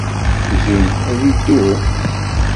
Zun ad iddu?